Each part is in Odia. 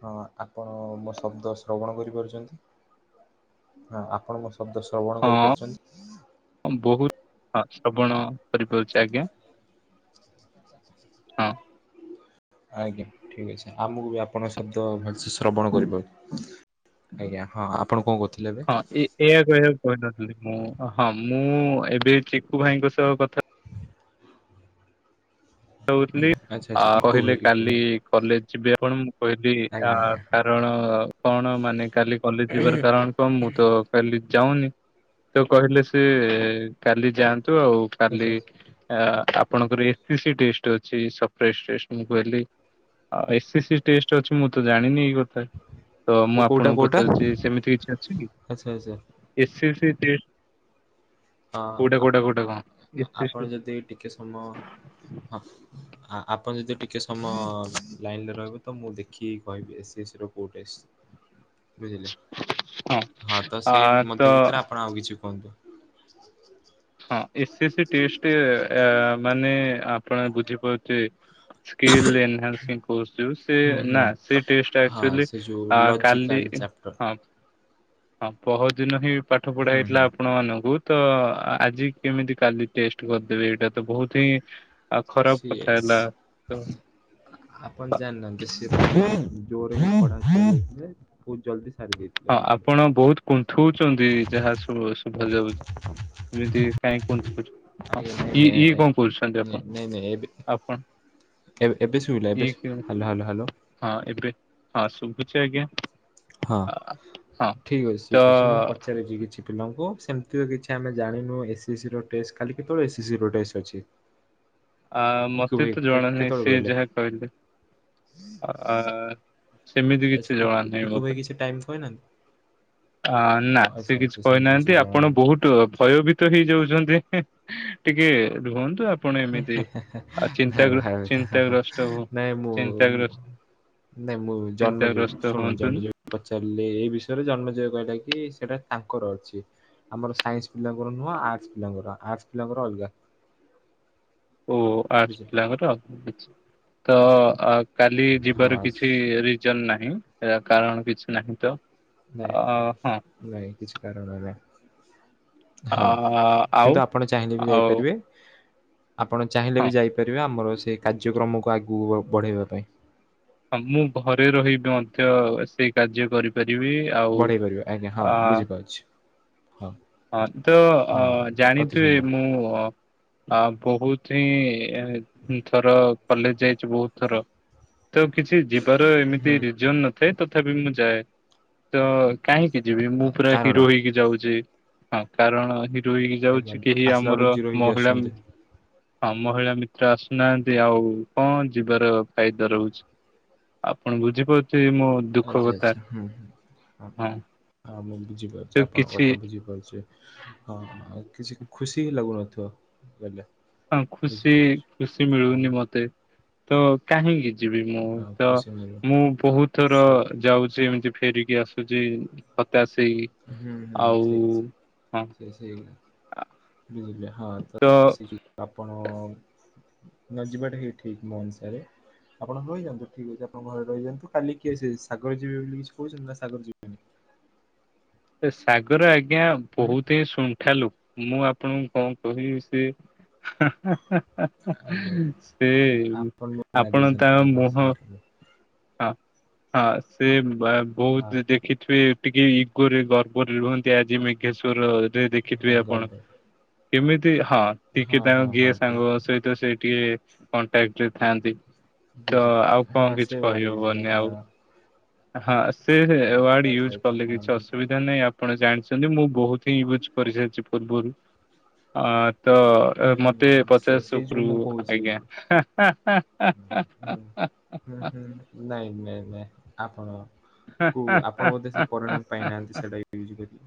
ହଁ ଆପଣ ମୋ ଶବ୍ଦ ଶ୍ରବଣ କରିପାରୁଛନ୍ତି, ହଁ ଆପଣ ମୋ ଶବ୍ଦ ଶ୍ରବଣ କରି କରିପାରୁଛନ୍ତି। ହଁ ବହୁତ ହ ଶ୍ରବଣ କରିପାରୁଛି ଆଜ୍ଞା। ହଁ। [inaudible] ଆଜ୍ଞା ଠିକ ଅଛି, ଆଉ ମୁଁ ବି ଆପଣଙ୍କ ଶବ୍ଦ ଭଲସେ ଶ୍ରବଣ କରିବ। ଆଜ୍ଞା ହଁ ଆପଣ କଣ କରୁଥିଲେ? ହଁ ଏ କହିବାକୁ କହିନଥିଲି ମୁଁ ହଁ ମୁଁ ଏବେ ଚିକୁ ଭାଇଙ୍କ ସହ କଥା ହଉଥିଲି ଆଚ୍ଛା ଆଚ୍ଛା ଆଉ ଇକୁ କହିଲେ ଭାଇ ଇକୁ କାଲି ଭାଇ କଲେଜ ଯିବେ ଆପଣ କହିଲି ଆ ଆଜ୍ଞା ଆଜ୍ଞା ହଁ କାରଣ କଣ ମାନେ କାଲି କଲେଜ ଯିବାର କାରଣ। କଣ ମୁଁ ତ କାଲି ଯାଉନି, ତ କହିଲେ ସ କାଲି ଯାଆନ୍ତ ତୁଆଉ ଆଚ୍ଛା କାଲି ଆଚ୍ଛା ଆପଣଙ୍କର ଏ ଟେଷ୍ଟ ଅଛି ସପ୍ରେଟେଷ୍ଟ ମୁଁ କହିଲି ଅ ଏସେ ସି ଟେଷ୍ଟ ଅଛି ମୁଁ ତ ଜାଣିନି ଗୋ ତ ମୁଁ କୋଉଟା ଆପଣଙ୍କୁ କୋଉଟା? ପଚାରୁଛି ସେମିତି କିଛି ଅଛି କି? ଆଚ୍ଛା ଆଚ୍ଛା ଏସିସି ଟେଷ୍ଟ ହଁ କୋଉଟା କୋଉଟା ଆପଣ, କୋଉଟା କଣ? ଏସ୍ ଏସ୍ ସି ଆପଣ ଯଦି ଟିକେ ସମୟ ହଁ ଆ ଆପଣ ଯଦି ଟିକେ ସମୟ ଲାଇନରେ ରହିବେ ତ ମୁଁ ଦେଖିକି କହିବି ଏସିି ଏସି ର କୋଉ ଟେଷ୍ଟ? ବୁଝିଲେ? ହଁ ତ ଆ ସେଇ ତ ମଧ୍ୟ ଭିତରେ ଆପଣ ଆଉ କିଛି କୁହନ୍ତୁ। [inaudible] ହଁ ଏସ୍ ଏସ୍ ସି ଟେଷ୍ଟ ମାନେ ଆପଣ ବୁଝିପାରୁଥିବେ। ସ୍କିଲ୍ ଏନହାନ୍ସିଙ୍ଗ କୋର୍ସ ଯୋଉ, ସେ ହୁଁ ନା ହୁଁ ସେ ଟେଷ୍ଟଟା ହଁ ଆକ୍ଚୁଆଲି ସେ ଯୋଉ ଆଁ କାଲି ଲଜିକାଲ ଚାପ୍ଟର ହଁ। ହଁ ପହର୍ଦିନ ହିଁ ପାଠ ପଢା ହୁଁ ହେଇଥିଲା ହୁଁ ଆପଣ ମାନଙ୍କୁ ତ ଆଜି କେମିତି କାଲି ଟେଷ୍ଟ କରିଦେବେ? ଏଇଟା ତ ବହୁତ ହିଁ ଆଉ ଖରାପ କଥା ସିଏସ୍। ହେଲା। ତ ଆପଣ ଜାଣିନାହାନ୍ତି। ସେ ଜୋରରେ ପଢାନ୍ତି ଯେ ବହୁତ ଜଲଦି ସାରି ଦିଏ। ହଁ ଆପଣ ବହୁତ କୁନ୍ଥଉଛନ୍ତି। ଯାହା ଶୁ-ଶୁଭା ଯାଉଛି। ଏମିତି କାହିଁକି କୁନ୍ଥଉଛନ୍ତି? ଆପଣ [unintelligible] ଏବେ ଏବେ ଶୁଭିଲା? ଏବେ ଇଏ କି ଶୁଭିଲା? Hello hello hello. ହଁ ଏବେ। ହଁ ଶୁଭୁଛି ଆଜ୍ଞା। ହଁ ଆ, ହଁ ଠିକ ଅଛି ତ ଠିକ ଅଛି। ମୁଁ ପଚାରୁଛି କିଛି। ପିଲାଙ୍କୁ, ସେମିତି ତ କିଛି ଆମେ ଜାଣିନୁ। ଏସ-ଏସ-ସି ର ଟେଷ୍ଟ କାଲି କେତେବେଳେ ଏସ-ଏସ-ସିର ଟେଷ୍ଟ ଅଛି? ଆ ଇକୁ ମୋତେ ଭାଇ ତ କେ- ଜଣା ନାହିଁ। କେତେବେଳେ ସେ କହିଲେ? ଯାହା କହିଲେ। ଆ ସେମିତି ଆଚ୍ଛା କିଛି ଜଣା ଇକୁ ନାହିଁ ଇକୁ ଭାଇ ମତେ। କିଛି ଟାଇମ୍ କହିନାହାନ୍ତି? ଆ ନା ଆଚ୍ଛା ସେ କିଛି ଆଚ୍ଛା ସେମିତି କିଛି କହିନାହାନ୍ତି। ଜଣା ଆପଣ ବହୁତ ଭୟଭୀ ତ ହେଇଯାଉଛନ୍ତି। ଟିକେ ରୁହନ୍ତୁ। ଆପଣ ଏମିତି ଚିନ୍ତା ଚିନ୍ତାଗ୍ରସ୍ତ ହଉ ନାଇଁ ମୁଁ ଚିନ୍ତାଗ୍ରସ୍ତ ନାଇଁ ମୁଁ ଜନ୍ମଯୟ ଚିନ୍ତାଗ୍ରସ୍ତ ଶୁଣ ହୁଅନ୍ତୁନି ଜନ୍ମଯୟ ପଚାରିଲେ ଏ ବିଷୟରେ। ଜନ୍ମଯୟ କହିଲା କି ସେଟା ତାଙ୍କର ଅଛି। ଆମର ସାଇନ୍ସ ପିଲାଙ୍କର ନୁହଁ ଆର୍ଟସ ପିଲାଙ୍କର। ଆର୍ଟସ ପିଲାଙ୍କର ଅଲଗା। ଓ ଆର୍ଟ୍ସ୍ ବୁଝିଲେ ପିଲାଙ୍କର ଆଛା। ତ ଅ କାଲି ଯିବାର ହଁ। କିଛି ରିଜନ ନାହିଁ। ୟା କାରଣ କିଛି ନାହିଁ ତ? ନାଇଁ ଅ ହଁ ନାଇଁ କିଛି କାରଣ ନାଇଁ। ହଁ। ଅ ଆଉ କିନ୍ତୁ ଆପଣ ଚାହିଁଲେ ବି ଆଉ ଯାଇପାରିବେ। ଆପଣ ଚାହିଁଲେ ହଁ ବି ଯାଇପାରିବେ, ଆମର ସେ କାର୍ଯ୍ୟକ୍ରମକୁ ଆଗକୁ ବଢ଼େଇବା ପାଇଁ। ହଁ ମୁଁ ଘରେ ରହିକି ମଧ୍ୟ ସେଇ କାର୍ଯ୍ୟ କରି ବଢେଇ ପାରିବେ। ଆଜ୍ଞା ହଁ ବୁଝିପାରୁଛି ହଁ। ହଁ ତ ହୁଁ ଅ ଅତି ଜାଣିଥିବେ ସୁନ୍ଦର। ମୁଁ ଆ ବହୁତ ହିଁ ଏଁ ଥର କଲେଜ ଯାଇଛି ବହୁତ ଥର। ତ କିଛି ଯିବାର ଏମିତି ରିଜନ ନଥାଏ ତଥାପି ମୁଁ ଯାଏ। ତ କାହିଁକି ଯିବି ମୁଁ ପୁରା କାରଣ ହିରୋ ହେଇକି ଯାଉଛି। ହଁ କାରଣ ହିରୋ ହେଇକି ଆଜ୍ଞା ଯାଉଛି। କେହି ଆସିଲା ବେଳୁ ଆମର ଜିରୋ ହେଇକି ମହିଳା ମି ଆସୁଛନ୍ତି। ହଁ ମହିଳା ମିତ୍ର ଆସୁନାହାନ୍ତି। ଆଉ କଣ ଯିବାର ଫାଇଦା ରହୁଛି? ଆପଣ ବୁଝିପାରୁଥିବେ ମୋ ଦୁଃଖ ଆଚ୍ଛା କଥା ଆଚ୍ଛା ହୁଁ ହୁଁ ହଁ ହଁ ମୁଁ ତ ବୁଝିପାରୁଛି, ଆପଣଙ୍କ କିଛି କଥା ବୁଝିପାରୁଛି। ହଁ ହଁ କିଛି ଖୁସି ହି ଲାଗୁନଥିବ ବେଲେ ହଁ ଖୁସି ଖୁସି ମିଳୁନି ଆଜ୍ଞା ମତେ ତ କାହିଁକି? ଯିବି ମୁଁ ହଁ ତ ଖୁସି ମିଳିବ ମୁଁ ବହୁତ ଥର ସେଇ ଯାଉଛି ଏମିତି ଫେରିକି ଆସେ ହଉଛି ତତେ ଆସି ହୁଁ ହୁଁ ଆଉ ସେଇ ହଁ। ସେ ବୁଝିଲି ହଁ ତ ସେ ଯଉ ଆପଣ ନ ଯିବାଟା ହିଁ ଠିକ ମୋ ହିସାବରେ। ଆପଣ ରହିଯାନ୍ତୁ। ଠିକ ଅଛି ଆପଣ ଘରେ ରହିଯାନ୍ତୁ। କାଲି କିଏ ସାଗର ଯିବେ ବୋଲି କିଛି କହୁଛନ୍ତି? ନା ସାଗର ଯିବେ? ସାଗର ଆଜ୍ଞା ହୁଁ ବହୁତ ହିଁ ଶୁଣ୍ଠା ଲୁକ। ମୁଁ ଆପଣଙ୍କୁ କଣ କହିବି ସେ ଆଜ୍ଞା ଆଜ୍ଞା ସେ ଆପଣ ମନା ଆପଣ ଦେଇଛନ୍ତି ତା ଆଉ ଆଜ୍ଞା ମୁହଁ ଶୁଣିଥିଲି ହଁ ହଁ ସେ ହଁ ବହ--ବହୁତ ଦେଖିଥିବେ? ଟିକେ ଇଗୋ ରେ ଗର୍ବରେ ରୁହନ୍ତି ଆଜି ମେଘେଶ୍ଵରରେ ଦେଖିଥିବେ ହଁ ଆପଣ? ଗର୍ବ କେମିତି ହଁ ହଁ ଟିକେ ହଁ ତାଙ୍କୁ ଗିଏ ହଁ ସାଙ୍ଗ ସହିତ ସେ ଟିକେ କଣ୍ଟାଟ ରେ ଥାନ୍ତି ତ ଆଉ ବୁଝିପାରିଲି। କଣ ହଁ ସେ କିଛି ୱାର୍ଡ କହିବ ୟୁଜ କର ବନି ହଁ ଆଉ? ହଁ ସେ ୱାର୍ଡ ଆଚ୍ଛା ୟୁଜ୍ ଆଚ୍ଛା କଲେ ହଁ କିଛି ଅସୁବିଧା ବୁଝିଲି। ଅସୁବିଧା ନାଇଁ ଆପଣ ଜାଣିଛନ୍ତି ମୁଁ ବହୁତ ହିଁ ୟୁଜ କରିସାରିଛି ପୂର୍ବରୁ? ଅଁ ତ ହୁଁ ମତେ ହୁଁ ସେ ପଚାଶ ସେଇ ଯୋଉ ଉପରୁ ମୁଁ କହୁଛି ଆଜ୍ଞା। ହୁଁ ହୁଁ ହୁଁ, ନାଇଁ ନାଇଁ ନାଇଁ ଆପଣ କୁ ଆପଣ ବୋଧେ ସେ ପରିଣାମ ପାଇନାହାନ୍ତି ସେଟା ୟୁଜ ଆ କରିବେ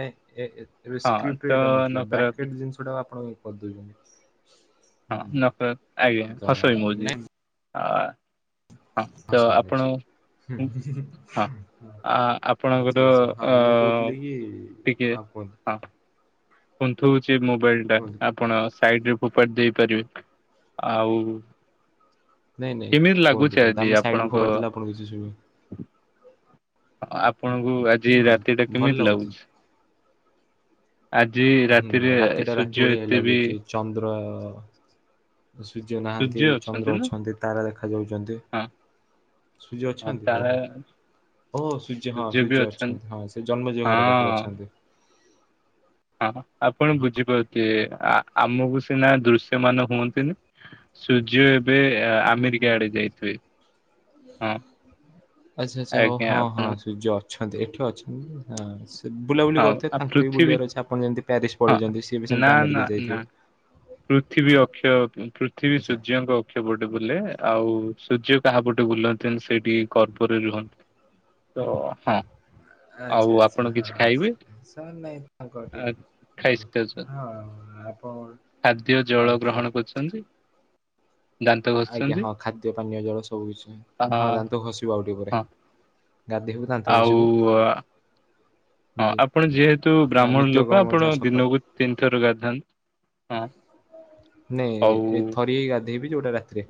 ନାଇଁ ଏ ଏବେ ହଁ ତ ସ୍କ୍ରିପ୍ଟରେ ଏଇଟା ନଥିଲା ନକାରାତ୍ମକ ବ୍ରାକେଟ ଜିନିଷଟା ଆପଣ କରିଦେଇଛନ୍ତି। ହଁ ନଖ ଆଜ୍ଞା ହସ ନାଇଁ [unintelligible] ହଁ ତ ସରି ଅଛି। ଆପଣ ହୁଁ ହୁଁ ହଁ, ଆ ଆଚ୍ଛା ଆପଣଙ୍କର ଆଚ୍ଛା ହଁ ଅ ମୁଁ କହୁଥିଲି କି ଟିକେ ହଁ କୁହନ୍ତୁ ହଁ। କୁନ୍ଥଉଛି ମୋବାଇଲ ଟା କୁହନ୍ତୁ। ଆପଣ ସାଇଟରେ ଫୋପାଟ ଦେଇପାରିବେ? ଆଉ ନାଇଁ ନାଇଁ କେମିତି ଲାଗୁଛି କୁହନ୍ତୁ କୁହନ୍ତୁ, ଆଜି ଆମେ ସାଇଡ କୁ ଆପଣଙ୍କ ଫୋପାଡି ଦେଲେ ଆପଣଙ୍କୁ କିଛି ଶୁଭିବନି। ହଁ ଆପଣଙ୍କୁ ହୁଁ ଆଜି ରାତି ଟା କେମିତି ଲାଗୁଛି? ଆଜି ହୁଁ ରାତିରେ ରାତି ଟା ରାତି ସୂର୍ଯ୍ୟ ଭଳିଆ ଏତେ ବି ଲାଗୁଛି। ଚନ୍ଦ୍ର ସୂର୍ଯ୍ୟ ନାହାନ୍ତି ଚନ୍ଦ୍ର ଅଛନ୍ତି। ତାରା ଦେଖାଯାଉଛନ୍ତି। ହଁ ସୂର୍ଯ୍ୟ ହଁ ଅଛନ୍ତି? ତାହଲେ ଓହୋ। ଓ ସୂର୍ଯ୍ୟ ହଁ ସୂର୍ଯ୍ୟ ଅଛନ୍ତି। ହଁ ସେ ଜନ୍ମଜ ଘର ପାଖରେ ହଁ ଅଛନ୍ତି। ହଁ ଆପଣ ବୁଝିପାରୁଥିବେ? ଆମକୁ ସିନା ଦୃଶ୍ୟ ମାନ ହୁଅନ୍ତିନି? ସୂର୍ଯ୍ୟ ଏବେ ହୁଁ ହୁଁ। ଆମେରିକା ଆଡେ ଯାଇଥିବେ। ହଁ। ଆଚ୍ଛା ଆଚ୍ଛା ଓ ଆଜ୍ଞା ହଁ ଆପଣ ହଁ ସୂର୍ଯ୍ୟ ଅଛନ୍ତି। ଏଠି ଅଛନ୍ତି ହଁ, ସେ ବୁଲାବୁଲି ହଉ କରୁଥିବେ ଆ ତାଙ୍କର ବି ପୃଥିବୀ ବୁଲିବାର ଅଛି। ଆପଣ ଯେମିତି ପ୍ୟାରିସ୍ ହଁ ପଳେଇଛନ୍ତି, ସିଏ ବି ନା ସେମିତି ନା ଆମେରିକା ନା ଯାଇଥିବେ? ପୃଥିବୀ ଅକ୍ଷୟ ପୃଥିବୀ ଆଚ୍ଛା। ସୂର୍ଯ୍ୟଙ୍କ ପଟେ ବୁଲେ ଆଉ ସୂର୍ଯ୍ୟ କାହା ପଟେ ବୁଲନ୍ତି? ସେଇଠୁ [unintelligible] ଆଚ୍ଛା ଆଚ୍ଛା ହଁ ସାର୍ ନାଇଁ ଆ, [unintelligible] ଖାଇସାରିଛନ୍ତି ହଁ ଆପଣ ଖାଦ୍ୟ ହଁ ଜଳ ଗ୍ରହଣ ଖାଇଦିଅନ୍ତୁ। କରୁଛନ୍ତି। ଆଜ୍ଞା, ହଁ ଖାଦ୍ୟ ପାନୀୟ ଜଳ ସବୁ କିଛି ଆ ହଁ ଦାନ୍ତ ଖସିବ ଆଉ ଟିକେ ପରେ। ହଁ ଗାଧେଇବୁ, ଦାନ୍ତ ଆଉ ଘଷିବୁ, ହଁ ବୁଝିଲେ ଆପଣ ଯେହେତୁ ହଁ ବ୍ରାହ୍ମଣ ଲୋକ ନିତ୍ୟକର୍ମ ଆପଣ ଯାହା ସକାଳୁ ଦିନକୁ ତିନିଥର ଗାଥାନ୍ତି। ହଁ। ନାଇଁ ଆଉ ଏ ଥରେ ହେଇ ଗାଧେଇବି ଯୋଉଟା ରାତିରେ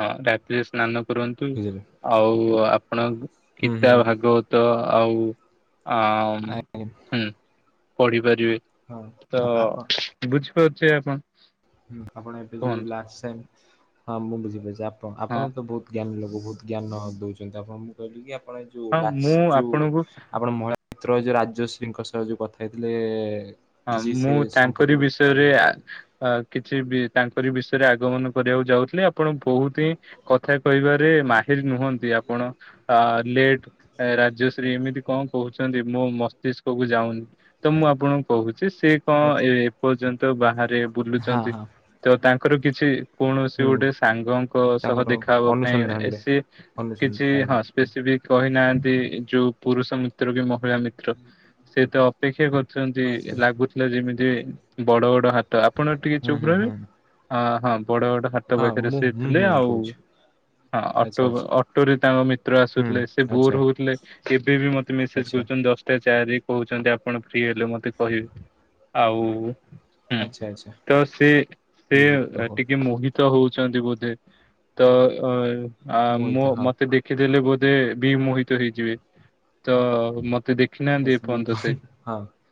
ହଁ ରାତିରେ ସ୍ନାନ କରନ୍ତୁ। ବୁଝିଲେ ଆଉ ଆପଣ ହୁଁ ଗୀତା ହୁଁ ଭାଗବତ ତ ଆଉ ଆ ହୁଁ ପଢିପାରିବେନି। ହଁ ତ ଆପଣ ବୁଝିପାରୁୁଛେ ଆପଣ? ହୁଁ ଆପଣ ଏବେ ଯୋଉ କୁହନ୍ତୁ ଲାଷ୍ଟ ସାଇନ୍ ମୁଁ ବୁଝିପାରୁଛି, ଆପଣ ହଁ ଆପଣ ତ ବହୁତ ଜ୍ଞାନ ଲୋକ ବହୁତ ଜ୍ଞାନ ଦେଉଛନ୍ତି। ଆପଣ ମୁଁ କହିଲି କି ଆପଣ ଯେଉଁ ହଁ ମୁଁ ଲାଷ୍ଟ ଯେଉଁ ଆପଣଙ୍କୁ ମହିଳା ପିତ୍ର ଯୋଉ ରାଜଶ୍ରୀଙ୍କ ସହ ଯୋଉ କଥା ହେଇଥିଲେ? ହଁ କିଛି ସେ ମୁଁ ତାଙ୍କରି ସମ୍ପର୍କରେ କିଛି ବିଷୟରେ କହିବାକୁ ଚାହୁଁଛନ୍ତି? ଅ କିଛି ବି ତାଙ୍କରି ବିଷୟରେ ଆଗମନ କରିବାକୁ ଯାଉଥିଲେ। ଆପଣ ବହୁତ କଥା କହିବାରେ ମାହିର ନୁହନ୍ତି। ଆପଣ ଲେଟ୍ ଆ ରାଜଶ୍ରୀ ଏମିତି କଣ କହୁଛନ୍ତି ମୋ ମସ୍ତିଷ୍କକୁ ଯାଉନି। ତ ମୁଁ ଆପଣଙ୍କୁ କହୁଛି ସେ କଣ ଆଉ ଏ ପଯେପର୍ଯ୍ୟନ୍ତ ବାହାରେ ହଁ ବୁଲୁଛନ୍ତି ହଁ ତ ତାଙ୍କର କିଛି କୌଣସି ହୁଁ ଗୋଟେ ସାଙ୍ଗଙ୍କ ସହ ତାଙ୍କର ଦେଖବା ପାଇଁ ଅନୁସନ୍ଧାନରେ ଏସି ଅନୁସନ୍ଧାନ କିଛି ହଁ ଆଜ୍ଞା ହୁଁ। ସ୍ପେସିଫିକ୍ କହିନାହାନ୍ତି ଯୋଉ ପୁରୁଷ ମିତ୍ର କି ମହିଳା ମିତ୍ର ସେ ତ ଅପେକ୍ଷା କରୁଛ ନ୍ତି ଆଚ୍ଛା ଆଚ୍ଛା। ଲାଗୁଥିଲା ଯେମିତି ବଡ-ବଡ ହାତ, ଆପଣ ଟିକେ ହୁଁ ଚୁପ୍ ହୁଁ ରହିବେ। ହୁଁ ହଁ-ହଁ ବଡ-ବଡ ହାଟ ହଁ ପାଖେରେ ମୁଁ ସେ ହୁଁ ଥିଲେ ହୁଁ ଆଉ। କହୁଛି ହଁ ଆଚ୍ଛା ଅଟୋ ଆଚ୍ଛା ଅଟୋରେ ତାଙ୍କ ମିତ୍ର ହୁଁ ଆସୁଥିଲେ, ସେ ଆଚ୍ଛା। ବୋର୍ ହଉଥିଲେ। ସେ ଏବେ ବି ମତେ ମେସେଜ୍ ଆଚ୍ଛା କରୁଚନ୍ତି ଦଶ୍ ଟା ଚାରି ରେ କହୁଚନ୍ତି ଆପଣ ଫ୍ରି ହେଲେ ମତେ କହିବେ ଆଉ ହୁଁ ଆଚ୍ଛା ଆଚ୍ଛା ତ ସେ-ସେ ବୁଝିଲି ଓହୋ ଟିକେ ମୋହି ତ ହଉଛନ୍ତି ବୋଧେ, ମୁଁ ଏଇତ ତ-ଅ-ଆ-ମୋ ହଁ। ମତେ ଦେ ଦେଖି ଦେଲେ ବୋଧେ ବିମୋହିତ ହେଇଯିବେ, ତ ମତେ ଦେଖି ହଁ ନାହାନ୍ତି ଏପନ୍ତ ସେ ଆଚ୍ଛା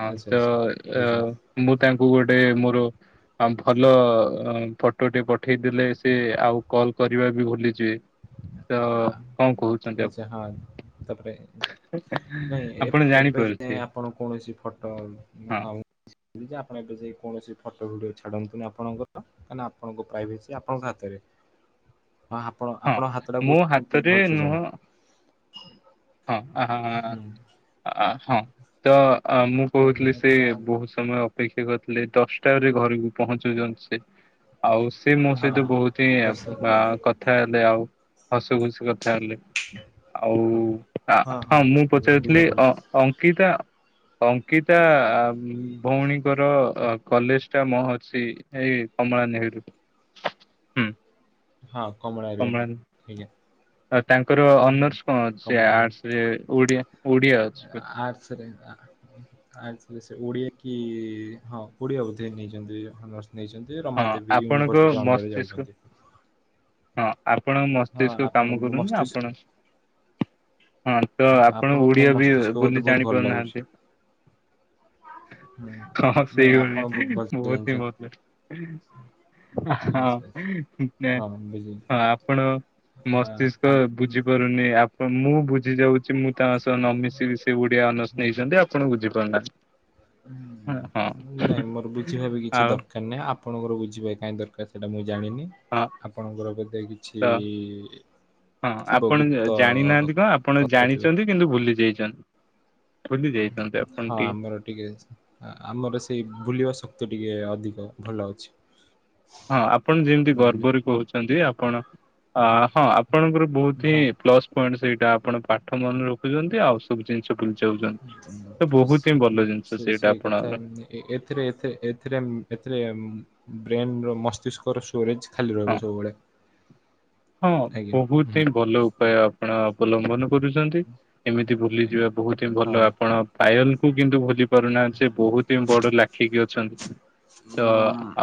ହଁ ତ ଆଚ୍ଛା ଏ ବୁଝିଲି ମୁଁ ତାଙ୍କୁ ଗୋଟେ ମୋର ଆ ଭଲ ଫଟୋ ଟେ ପଠେଇଦେଲେ ସେ ଆଉ କଲ୍ କରିବା ବି ଭୁଲିଯିବେ। ତ ଆ କଣ କହୁଛନ୍ତି ଆପଣ ଆଚ୍ଛା ହଁ, ତାପରେ ନାଇଁ ଏ ଆପଣ ଏବେ ଯାଏଁ ଜାଣିପାରୁଥିବେ ଆପଣ କୌଣସି ଫଟ ହଁ ହଉ ଆପଣ ଏବେ ଯାଇ କୌଣସି ଫଟୋ ଭିଡୁଓ ଛାଡନ୍ତୁନି ଆପଣଙ୍କର। କାଇଁ ନା ଆପଣଙ୍କ ପ୍ରାଇଭେସି ଆପଣଙ୍କ ହାତରେ। ଆପଣ ହଁ ଆପଣଙ୍କ ହାତ ଟା ମୋ କୋଉଠି ମତେ ହାତରେ ଭଲସେ ଜଣା। ହୁଁ ହଁ-ଆ-ଆ-ହଁ-ତ-ଅ-ମୁଁ କହୁଥିଲି ଆଜ୍ଞା ସେ ତ ବହୁତ୍ ସମୟ ଅପେକ୍ଷା କରିଥିଲେ, ଦଶଟାରେ ଘରକୁ ପହଞ୍ଚୁଚନ୍ତି ସେ। ଆଉ ସେ ମୋ ହଁ ସହିତ ବହୁତ୍ ହିଁ ଦଶ ଆ କ ଥା ହେଲେ ଆଉ ହସ ଖୁସି କଥା ହେଲେ, ଆଉ ଆ ହଁ ମୁଁ ପଚାରିଥିଲି ବିଜାପୁର ଅ ଅଙ୍କିତା ଅଙ୍କିତା ଭଉଣୀଙ୍କର କଲେଜ୍ ଟା ମହର୍ଷି ଏଇ କମଳା ନେହେରୁ ହୁଁ ହଁ କମଳା [unintelligible] ଆଜ୍ଞା। ଆଉ ତାଙ୍କର ହୁଁ ହୁଁ। ଅନର୍ସ କଣ ଅଛି କମଳା ନୁହଁ ଆର୍ଟ୍ସ ରେ ଓଡିଆ-ଓଡ଼ିଆ ଅଛି [unintelligible] ଆର୍ଟ୍ସ ରେ। ଆର୍ଟ୍ସ ରେ ସେ ଓଡିଆ କି ହଁ ଓଡିଆ ବୋଧେ ନେଇଚନ୍ତି ଅନର୍ସ ନେଇଚନ୍ତି। ସେ ହଁ ରମାଦେବୀ ଆପଣଙ୍କ ୟୁନିଭର୍ସିଟି ଅଣ୍ଡରରେ ମସ୍ତିଷ୍କ ଯାଉଚନ୍ତି। ହଁ ଆପଣଙ୍କ ହଁ ମସ୍ତିଷ୍କ ଆପଣ କାମ ମୋ କରୁନି, ମସ୍ତିଷ୍କ ଆପଣ ହଁ ତ ଆପଣ ମୋ ଓଡିଆ ବି ମସ୍ତିଷ୍କ ବୋଧେ ବୋଲି ବହୁତ ଜାଣି ଭଲ ଲାଗୁଛି। ପାରୁନାହାନ୍ତି। ହୁଁ ହଁ ନାଇଁ ସେଇ ଆପଣ ଭଳିଆ ବହୁତ ଭଲ ବହୁତ୍ ହିଁ ଜାଣିଛନ୍ତି ଭଲ। ଆଚ୍ଛା ଆଚ୍ଛା। ଆ-ହଁ-ନା। ହଁ ବୁଝିଲି। ହଁ ଆପଣ ହଁ ମସ୍ତିଷ୍କ ଆଉ ବୁଝିପାରୁନି ଆପଣ ମୁଁ ବୁଝି ଯାଉଚି ମୁଁ ତାଙ୍କ ସହ ନ ମିଶିକି ସେ ଓଡିଆ ଅନର୍ସ ନେଇଚନ୍ତି, ଆପଣ ବୁଝିପାରୁନାହାନ୍ତି। ହଁ ନାଇଁ ମୋର ବୁଝିବା ବି କିଛି ଆଉ ଦରକାର୍ ନାହିଁ, ଆପଣଙ୍କର ବୁଝିବା କାଇଁ ଦରକାର୍ ସେଇଟା ମୁଁ ଜାଣିନି। ହଁ ଆପଣଙ୍କର ବୋଧେ ତ କିଛି ହଁ ଥିବ ଆପଣ ଗୁପ୍ତ ଜାଣିନାହାନ୍ତି କଣ ଆପଣ କଥା ଥିବ ଜାଣିଚନ୍ତି କିନ୍ତୁ ଭୁଲି ଯାଇଚନ୍ତି। ହଁ ଆମର ଟିକେ ଆମର ସେଇ ବୁଲିବା ଶକ୍ତି ଟିକେ ଅଧିକ ଭଲ ଅଛି। ହଁ ଆପଣ ଯେମ୍ତି ବୁଝିଲେ। ଗର୍ବରେ କହୁଚନ୍ତି ଆପଣ ଅ ହଁ ଆପଣଙ୍କର ବହୁତ୍ ହଁ ହିଁ ପ୍ଲସ୍ ପଏଣ୍ଟ ସେଇଟା ଆପଣ ପାଠ ମନେ ରଖୁଚନ୍ତି, ଆଉ ସବୁ ଜିନିଷ ଭୁଲି ଯାଉଚନ୍ତି, ତ ବହୁତ୍ ହିଁ ଭଲ ଜିନିଷ ସେଇଟା ଆପଣଙ୍କର। ଏ ଏଥିରେ ଏଥି ଏଥିରେ-ଏଥିରେ ବ୍ରେନ୍ ର ମସ୍ତିଷ୍କ ର ଷ୍ଟୋରେଜ୍ ଖାଲି ହଁ ରହିବ ସବୁବେଳେ। ହଁ ଆଜ୍ଞା। ବହୁତ୍ ହିଁ ଭଲ ଉପାୟ ଆପଣ ଅବଲମ୍ବନ କରୁଚନ୍ତି। ଏମିତି ଭୁଲିଯିବା ବହୁତ୍ ହିଁ ହଁ ଭଲ ଆପଣ ପାୟଲ୍ କୁ କିନ୍ତୁ ଭୁଲି ପାରୁନାହାନ୍ତି, ସେ ବହୁତ୍ [unintelligible] ବଡ ଲାଖିକି ଅଛନ୍ତି। ତ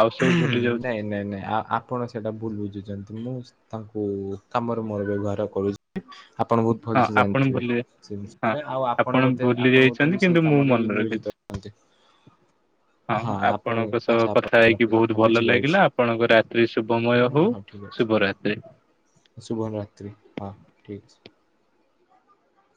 ଆଉ ସବୁ ଭୁଲି ଯାଉଛି ନାଇନ ନାଇ। ଆପଣ ସେଇଟା ଭୁଲ ବୁଝୁଛନ୍ତି। ମୁଁ ତାଙ୍କୁ କାମର ମୋର ବ୍ୟବହାର କରୁଛି। ଆପଣ ବହୁତୁ ହଁ ଭଲସେ ଆପଣ ଜାଣିଥିବେ ଭୁଲି ସେ ହଁ ବିଷୟରେ ଆଉ ଆପଣ ବୋଧେ ଭୁଲି ଆପଣ ବୋଧେ ଯାଇଛନ୍ତି ବି ସେଇ କିନ୍ତୁ ମୁଁ କାମରେ ହିଁ ମନେ ରଖିଛି। ନିୟୋଜିତ। [unintelligible] ହଁ ଆପଣ ଆପଣଙ୍କ ସହ ଆଚ୍ଛା ଆପଣ କଥା ହେଇକି ରଖିଛନ୍ତି ବହୁତ ହଁ ଭଲ ବୁଝିପାରୁଛି। ଲାଗିଲା ଆପଣଙ୍କ ରାତ୍ରି ହଁ ଶୁଭମୟ ହଉ। ହଁ ଠିକ୍ ଅଛି ଶୁଭ ରାତ୍ରି। ଶୁଭ ରାତ୍ରି ହଁ ଠିକ ଅଛି। [unintelligible]